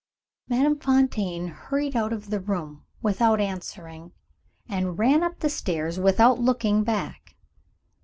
Madame Fontaine hurried out of the room without answering and ran up the stairs without looking back.